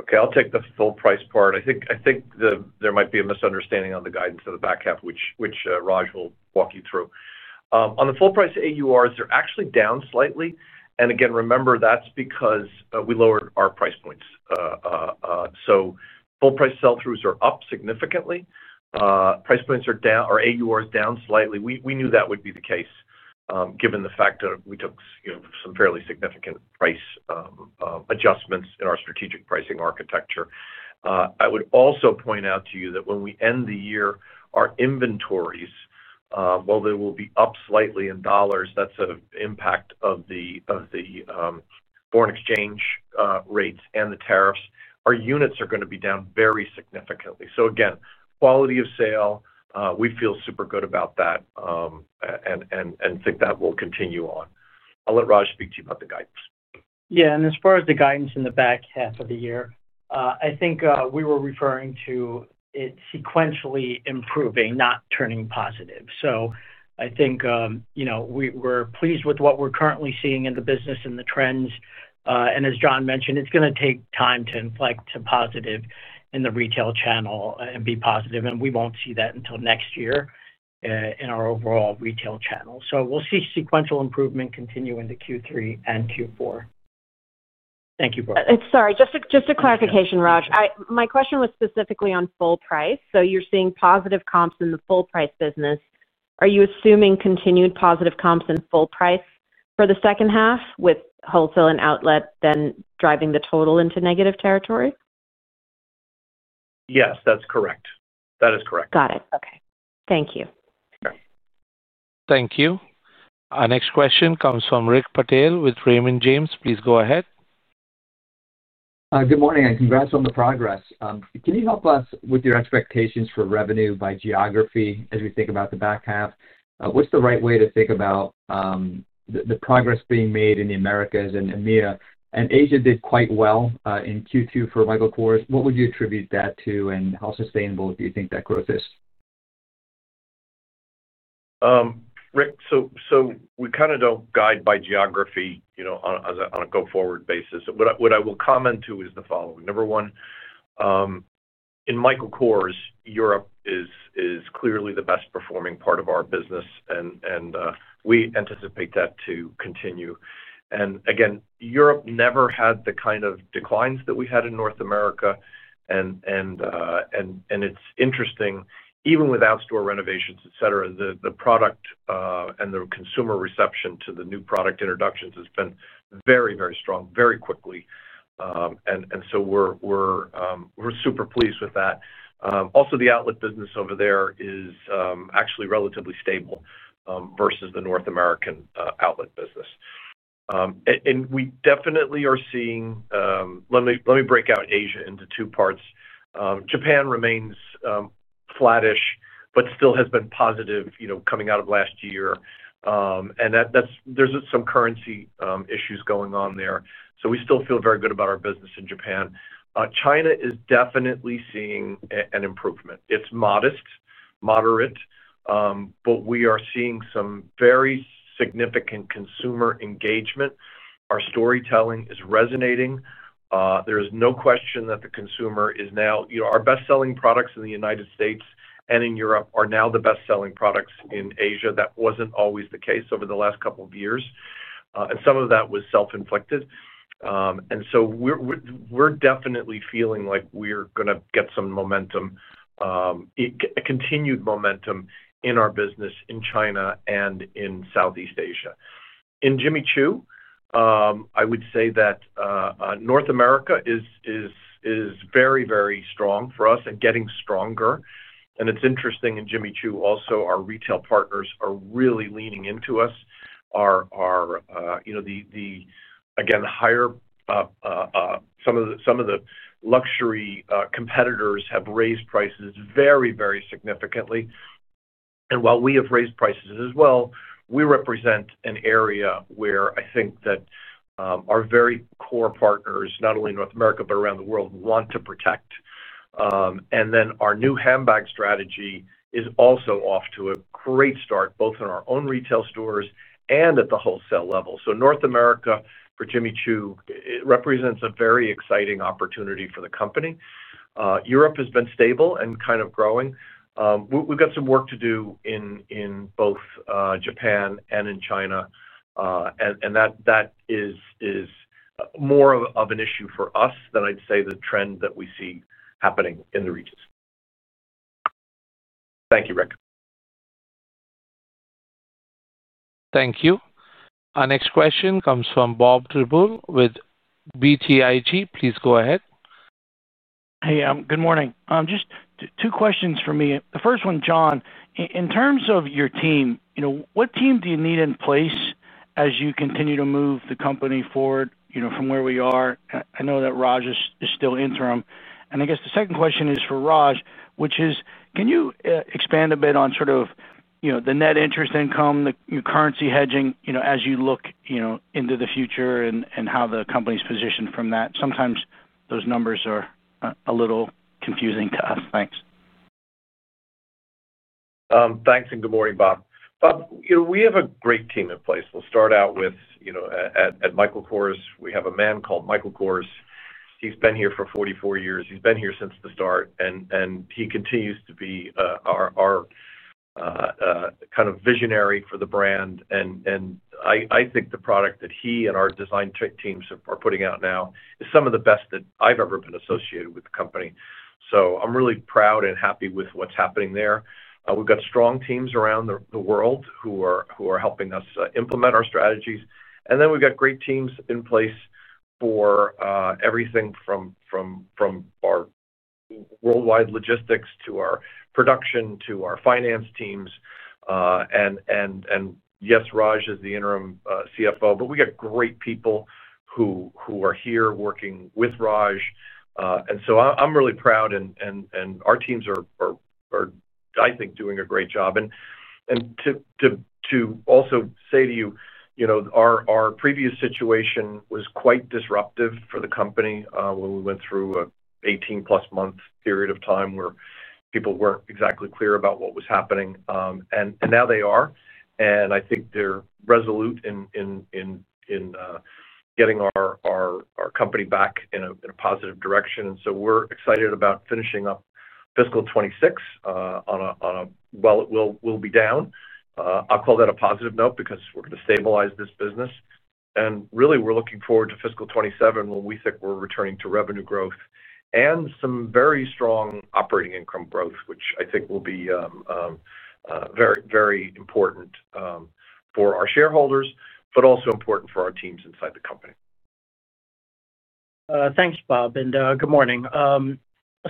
Okay. I'll take the full-price part. I think there might be a misunderstanding on the guidance of the back half, which Raj will walk you through. On the full-price AURs, they're actually down slightly. And again, remember, that's because we lowered our price points. So full-price sell-throughs are up significantly. Price points or AURs down slightly. We knew that would be the case given the fact that we took some fairly significant price adjustments in our strategic pricing architecture. I would also point out to you that when we end the year, our inventories, while they will be up slightly in dollars, that's an impact of the foreign exchange rates and the tariffs. Our units are going to be down very significantly. So again, quality of sale, we feel super good about that. And think that will continue on. I'll let Raj speak to you about the guidance. Yeah. And as far as the guidance in the back half of the year, I think we were referring to it sequentially improving, not turning positive. So I think we're pleased with what we're currently seeing in the business and the trends. And as John mentioned, it's going to take time to inflect to positive in the retail channel and be positive. And we won't see that until next year in our overall retail channel. So we'll see sequential improvement continue into Q3 and Q4. Thank you, Brooke. Sorry. Just a clarification, Raj. My question was specifically on full price. So you're seeing positive comps in the full-price business. Are you assuming continued positive comps in full price for the second half, with wholesale and outlet then driving the total into negative territory? Yes, that's correct. That is correct. Got it. Okay. Thank you. Thank you. Our next question comes from Rick Patel with Raymond James. Please go ahead. Good morning. And congrats on the progress. Can you help us with your expectations for revenue by geography as we think about the back half? What's the right way to think about the progress being made in the Americas and EMEA? And Asia did quite well in Q2 for Michael Kors. What would you attribute that to, and how sustainable do you think that growth is? Rick, so we kind of don't guide by geography on a go-forward basis. What I will comment to is the following. Number one. In Michael Kors, Europe is clearly the best-performing part of our business, and we anticipate that to continue. And again, Europe never had the kind of declines that we had in North America. And it's interesting, even with outlet store renovations, etc., the product and the consumer reception to the new product introductions has been very, very strong, very quickly. And so we're super pleased with that. Also, the outlet business over there is actually relatively stable versus the North American outlet business. And we definitely are seeing, let me break out Asia into two parts. Japan remains flattish but still has been positive coming out of last year. And there's some currency issues going on there. So we still feel very good about our business in Japan. China is definitely seeing an improvement. It's modest, moderate. But we are seeing some very significant consumer engagement. Our storytelling is resonating. There is no question that the consumer is now, our best-selling products in the United States and in Europe are now the best-selling products in Asia. That wasn't always the case over the last couple of years. And some of that was self-inflicted. And so we're definitely feeling like we're going to get some momentum. Continued momentum in our business in China and in Southeast Asia. In Jimmy Choo, I would say that North America is very, very strong for us and getting stronger. And it's interesting in Jimmy Choo also, our retail partners are really leaning into us. Again, higher. Some of the luxury competitors have raised prices very, very significantly. And while we have raised prices as well, we represent an area where I think that our very core partners, not only in North America but around the world, want to protect. And then our new handbag strategy is also off to a great start, both in our own retail stores and at the wholesale level. So North America for Jimmy Choo represents a very exciting opportunity for the company. Europe has been stable and kind of growing. We've got some work to do in both Japan and in China. And that is more of an issue for us than I'd say the trend that we see happening in the regions. Thank you, Rick. Thank you. Our next question comes from Bob Drbul with BTIG. Please go ahead. Hey, good morning. Just two questions for me. The first one, John, in terms of your team, what team do you need in place as you continue to move the company forward from where we are? I know that Raj is still interim. And I guess the second question is for Raj, which is, can you expand a bit on sort of the net interest income, the currency hedging as you look into the future and how the company's positioned from that? Sometimes those numbers are a little confusing to us. Thanks. Thanks. And good morning, Bob. Bob, we have a great team in place. We'll start out with at Michael Kors, we have a man called Michael Kors. He's been here for 44 years. He's been here since the start. And he continues to be our kind of visionary for the brand. And I think the product that he and our design teams are putting out now is some of the best that I've ever been associated with the company. So I'm really proud and happy with what's happening there. We've got strong teams around the world who are helping us implement our strategies. And then we've got great teams in place for everything from our worldwide logistics to our production to our finance teams. And yes, Raj is the interim CFO, but we have great people who are here working with Raj. And so I'm really proud, and our teams are, I think, doing a great job. And to also say to you, our previous situation was quite disruptive for the company when we went through an 18+ month period of time where people weren't exactly clear about what was happening. And now they are. And I think they're resolute in getting our company back in a positive direction. And so we're excited about finishing up fiscal 2026 on a, well, we'll be down. I'll call that a positive note because we're going to stabilize this business. And really, we're looking forward to fiscal 2027 when we think we're returning to revenue growth and some very strong operating income growth, which I think will be very, very important for our shareholders, but also important for our teams inside the company. Thanks, Bob. And good morning.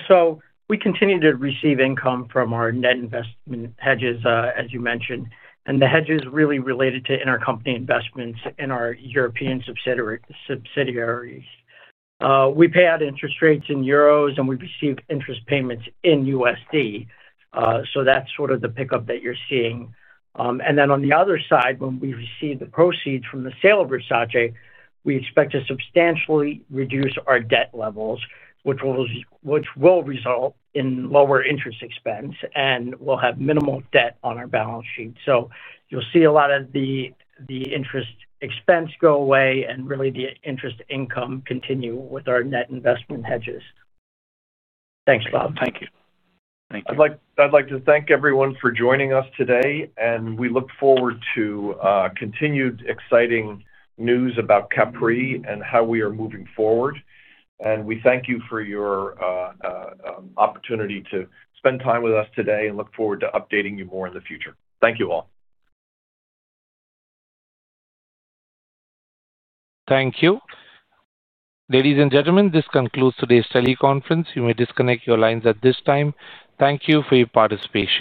So we continue to receive income from our net investment hedges, as you mentioned. And the hedges really related to intercompany investments in our European subsidiaries. We pay out interest rates in euros, and we receive interest payments in USD. So that's sort of the pickup that you're seeing. And then on the other side, when we receive the proceeds from the sale of Versace, we expect to substantially reduce our debt levels, which will result in lower interest expense, and we'll have minimal debt on our balance sheet. So you'll see a lot of the interest expense go away and really the interest income continue with our net investment hedges. Thanks, Bob. Thank you. Thank you. I'd like to thank everyone for joining us today. And we look forward to continued exciting news about Capri and how we are moving forward. And we thank you for your opportunity to spend time with us today and look forward to updating you more in the future. Thank you all. Thank you. Ladies and gentlemen, this concludes today's teleconference. You may disconnect your lines at this time. Thank you for your participation.